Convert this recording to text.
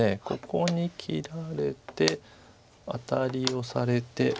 ここに切られてアタリをされて。